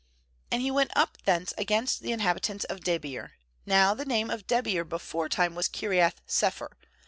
15And he went up thence against the inhabitants of Debir — now the name of Debir beforetime was Kiriath sepher.